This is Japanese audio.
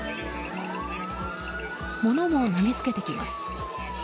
物も投げつけてきます。